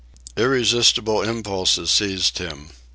Irresistible impulses seized him.